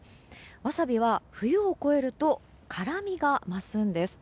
わさびは冬を超えると辛みが増すんです。